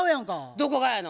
どこがやの？